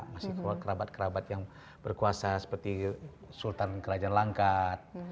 masih kerabat kerabat yang berkuasa seperti sultan kerajaan langkat